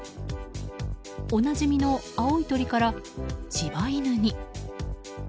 おなじみの青い鳥から柴犬に。